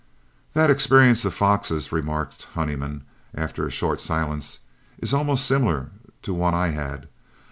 "That experience of Fox's," remarked Honeyman, after a short silence, "is almost similar to one I had.